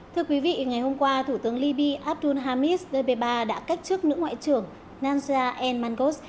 thưa quý vị ngày hôm qua thủ tướng libi abdul hamid depeba đã cách trước nữ ngoại trưởng nanzia n mangos